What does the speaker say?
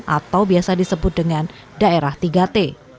atau biasa disebut dengan daerah tiga t